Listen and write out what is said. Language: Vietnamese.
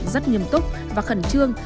rất nghiêm túc và khẩn trương